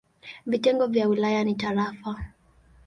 Vitengo vya wilaya ni tarafa.